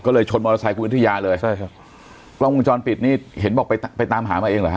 ก็เลยชนมอเตอร์ไซค์คุณวิทยาเลยใช่ครับกล้องวงจรปิดนี่เห็นบอกไปไปตามหามาเองเหรอฮ